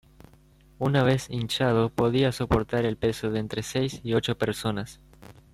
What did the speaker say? Una vez hinchado, podía soportar el peso de entre seis y ocho personas.